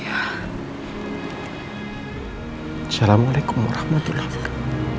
assalamualaikum warahmatullahi wabarakatuh